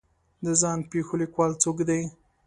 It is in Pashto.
د ځان پېښو لیکوال څوک دی